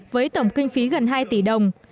với tổng kinh phí gần hai tỷ đồng